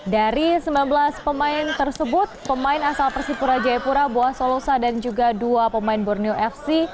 dari sembilan belas pemain tersebut pemain asal persipura jayapura bua solosa dan juga dua pemain borneo fc